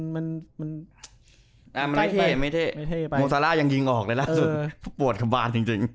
มันไม่เท่โมซาร่ายังยิงออกเลยล่ะปวดขบาดจริง